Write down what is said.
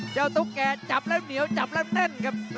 ตุ๊กแก่จับแล้วเหนียวจับแล้วเต้นครับ